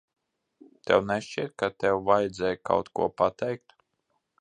Tev nešķiet, ka tev vajadzēja kaut ko pateikt?